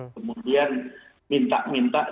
kemudian minta minta dan